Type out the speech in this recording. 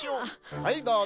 はいどうぞ。